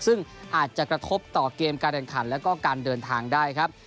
ซึ่งอาจจะกระทบต่อเกมการแข่งขันแล้วก็การเดินทางได้ครับ